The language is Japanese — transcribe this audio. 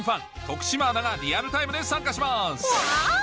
徳島アナがリアルタイムで参加しますワオ！